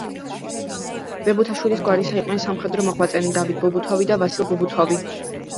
ბებუთაშვილების გვარისა იყვნენ სამხედრო მოღვაწენი: დავით ბებუთოვი და ვასილ ბებუთოვი.